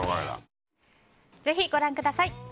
ぜひご覧ください。